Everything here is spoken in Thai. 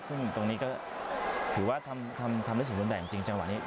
ซึ่งตรงนี้ก็ถือว่าทำได้สมบูรณ์แบบจริงจังหวะนี้